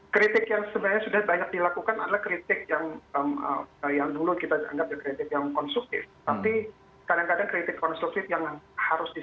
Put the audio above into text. kritik yang sebenarnya sudah banyak dilakukan adalah kritik yang dulu kita anggap kritik yang konstruktif